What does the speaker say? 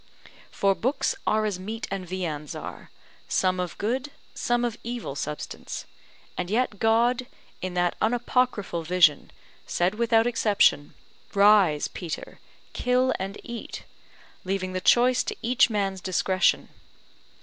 For books are as meats and viands are; some of good, some of evil substance; and yet God, in that unapocryphal vision, said without exception, RISE, PETER, KILL AND EAT, leaving the choice to each man's discretion.